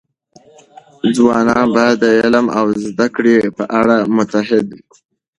ځوانان باید د علم او زده کړې په اړه متعهد وي.